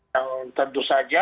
yang tentu saja